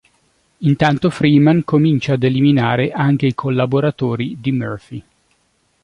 Intanto Freeman comincia ad eliminare anche i collaboratori di Murphy.